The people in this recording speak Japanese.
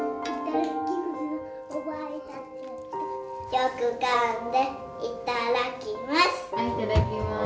よくかんでいただきます。